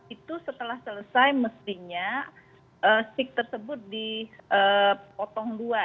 itu setelah selesai mestinya stick tersebut dipotong dua